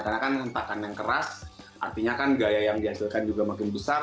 karena kan sentakan yang keras artinya kan gaya yang dihasilkan juga makin besar